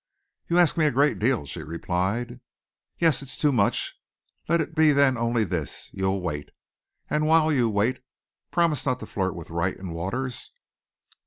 "You ask me a great deal," she replied. "Yes, it's too much. Let it be then only this you'll wait. And while you wait, promise not to flirt with Wright and Waters."